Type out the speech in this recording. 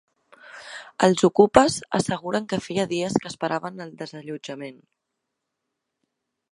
Els ocupes asseguren que feia dies que esperaven el desallotjament.